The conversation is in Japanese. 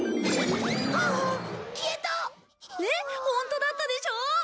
ホントだったでしょう！